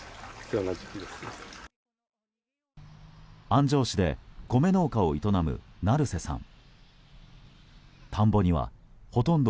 安城市で米農家を営む成瀬さん。